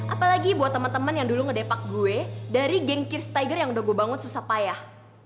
apalagi buat temen temen yang dulu ngedepak gue dari geng cheers tiger yang udah gue bangun susah payah